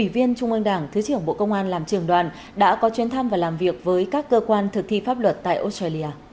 việc với các cơ quan thực thi pháp luật tại australia